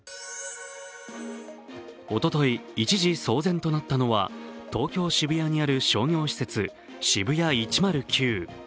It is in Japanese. おととい一時騒然となったのは東京・渋谷にある商業施設・ＳＨＩＢＵＹＡ１０９。